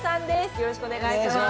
よろしくお願いします。